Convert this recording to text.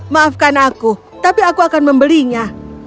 maafkan aku tapi aku akan membelinya